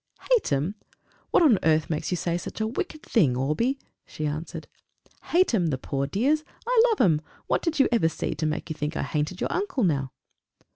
"Hate 'em! What on earth makes you say such a wicked thing, Orbie?" she answered. "Hate 'em, the poor dears! I love 'em! What did you ever see to make you think I hated your uncle now?"